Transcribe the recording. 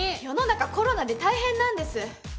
世の中コロナで大変なんです。